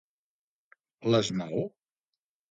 Les nou?